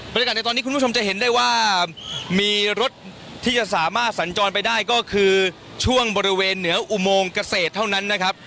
ในตอนนี้คุณผู้ชมจะเห็นได้ว่ามีรถที่จะสามารถสัญจรไปได้ก็คือช่วงบริเวณเหนืออุโมงเกษตรเท่านั้นนะครับ